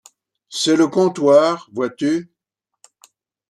C’est le comptoir, vois-tu.